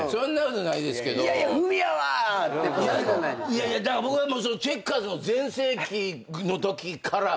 いやいや僕はチェッカーズの全盛期のときから。